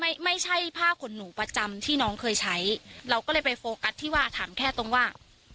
ไม่ใช่ผ้าขนหนูประจำที่น้องเคยใช้เราก็เลยไปโฟกัสที่ว่าถามแค่ตรงว่า